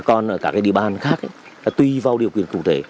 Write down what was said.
còn ở các địa bàn khác là tùy vào điều kiện cụ thể